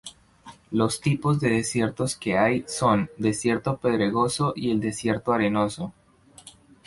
Los tipos de desiertos que hay son: desierto pedregoso y el desierto arenoso.